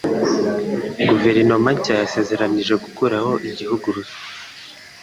Guverinoma nshya yasezeranije gukuraho igihugu ruswa